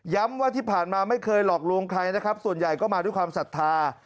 ว่าที่ผ่านมาไม่เคยหลอกลวงใครนะครับส่วนใหญ่ก็มาด้วยความศรัทธา